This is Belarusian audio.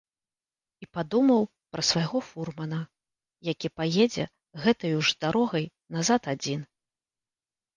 І падумаў пра свайго фурмана, які паедзе гэтаю ж дарогаю назад адзін.